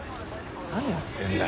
何やってんだ？